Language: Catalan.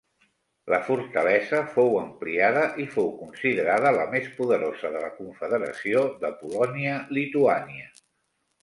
La fortalesa fou ampliada i fou considerada la més poderosa de la confederació de Polònia-Lituània.